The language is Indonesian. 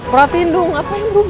perhatiin dong apa yang berubah